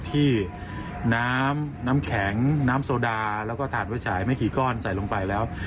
ที่น้ำน้ำแข็งน้ำโซดาแล้วก็ถาดไว้ฉายไม่กี่ก้อนใส่ลงไปแล้ว